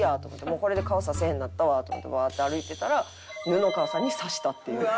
もうこれで顔させへんなったわと思ってうわーって歩いてたら布川さんにさしたっていう。